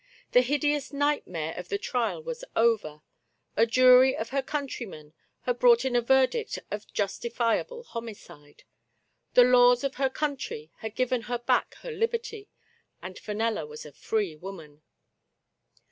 The hideous nightmare of the trial was over; a jury of her countrymen had brought in a verdict of " Justifiable homi cide." The laws of her country had given her back her liberty, and Fenella was a free woman.